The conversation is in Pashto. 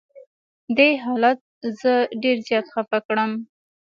دې حالت زه ډېر زیات خفه کړم.